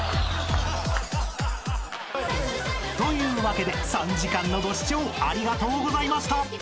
［というわけで３時間のご視聴ありがとうございました］